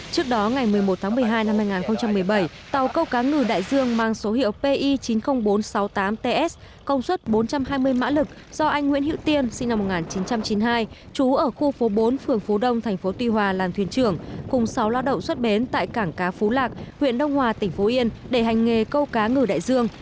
trước đó ngày một mươi một tháng một mươi hai năm hai nghìn một mươi bảy tàu câu cá ngừ đại dương mang số hiệu pi chín mươi nghìn bốn trăm sáu mươi tám ts công suất bốn trăm hai mươi mã lực do anh nguyễn hữu tiên sinh năm một nghìn chín trăm chín mươi hai trú ở khu phố bốn phường phú đông tp tùy hòa làm thuyền trưởng cùng sáu loa đậu xuất bến tại cảng cá phú lạc huyện đông hòa tỉnh phú yên để hành nghề câu cá ngừ đại dương